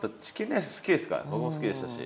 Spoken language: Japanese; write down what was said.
僕も好きでしたし。